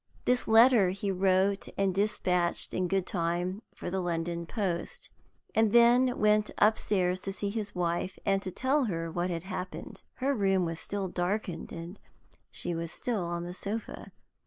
This letter he wrote and dispatched in good time for the London post, and then went upstairs to see his wife and to tell her what had happened. Her room was still darkened and she was still on the sofa.